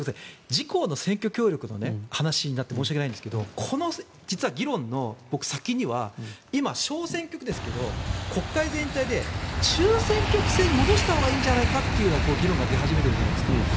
自公の選挙協力の話で申し訳ないですがこの議論の先には今、小選挙区ですけど国会全体で中選挙区制に戻したほうがいいんじゃないかという議論が出始めているじゃないですか。